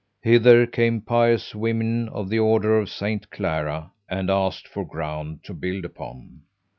Hither came pious women of the Order of Saint Clara and asked for ground to build upon.